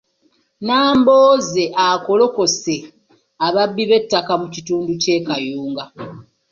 Nambooze akolokose ababbi b’ettaka mu kitundu ky’e Kayunga.